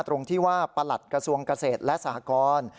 ตรงที่ว่าประหลัดกระทรวงเกษตรและสหกร